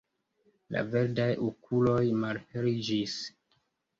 La verdaj okuloj malheliĝis.